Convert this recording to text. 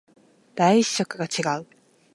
第一色が違う